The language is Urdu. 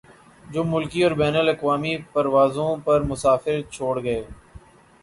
جو ملکی اور بین الاقوامی پروازوں پر مسافر چھوڑ گئے